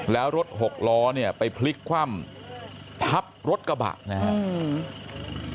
แล้วรถหกล้อเนี่ยไปพลิกคว่ำทับรถกระบะนะครับ